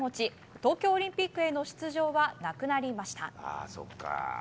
東京オリンピックへの出場はなくなりました。